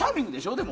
でも。